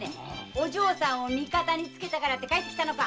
お嬢様を味方につけたからって帰ってきたのか？